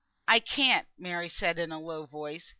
"I can't," Mary said, in a low voice.